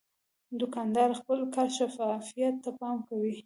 دوکاندار د خپل کار شفافیت ته پام کوي.